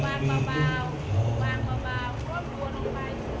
สวัสดีครับสวัสดีครับ